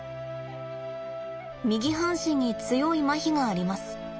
右半身に強いまひがあります。